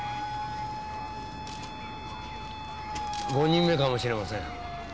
５人目かもしれません。